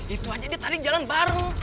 itu aja dia tarik jalan baru